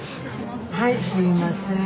はいすいません。